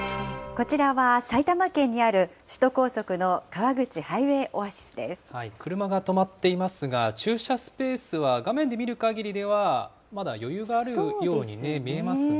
こちらは、埼玉県にある首都高速の川口ハイウェイオアシスで車が止まっていますが、駐車スペースは画面で見るかぎりでは、まだ余裕があるように見えますね。